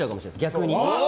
逆に。